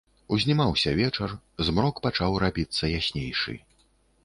Узнімаўся вечар, змрок пачаў рабіцца яснейшы.